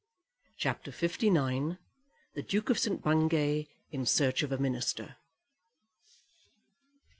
CHAPTER LIX. The Duke of St. Bungay in Search of a Minister.